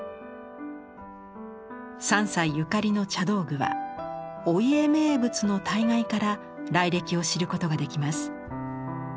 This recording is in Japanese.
三斎ゆかりの茶道具は「御家名物之大概」から来歴を知ることができます。